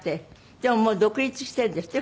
でももう独立してるんですって？